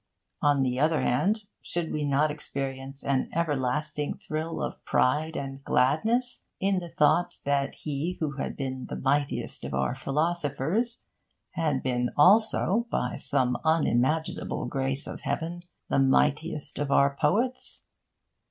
On the other hand, should we not experience an everlasting thrill of pride and gladness in the thought that he who had been the mightiest of our philosophers had been also, by some unimaginable grace of heaven, the mightiest of our poets?